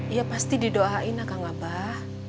ya pasti didoain kak ngabah